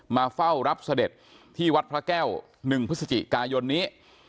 มาเฝ้ารับเสด็จที่วัดพระแก้ว๑พฤศจิกายนนี้